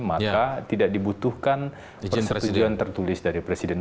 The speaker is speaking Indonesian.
maka tidak dibutuhkan persetujuan tertulis dari presiden